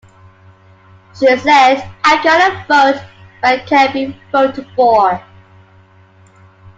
She said, I cannot vote but I can be voted for.